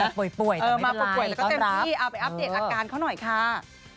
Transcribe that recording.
มาแบบป่วยแต่ไม่เป็นไรก็เต็มที่เอาไปอัปเดตอาการเขาหน่อยค่ะ